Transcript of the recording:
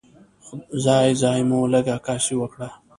ځای ځای مو لږه عکاسي وکړه.